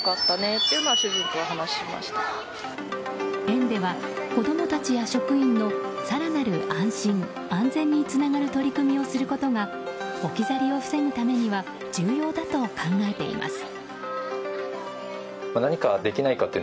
園では子供たちや職員の更なる安心・安全につながる取り組みをすることが置き去りを防ぐためには重要だと考えています。